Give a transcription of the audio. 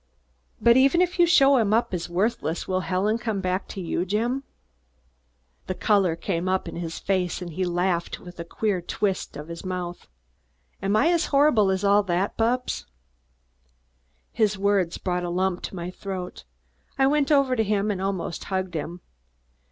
"But even if you show him up as worthless, will Helen come back to you, Jim?" The color came to his face and he laughed with a queer twist to his mouth. "Am I as horrible as all that, Bupps?" His words brought a lump to my throat. I went over to him and almost hugged him.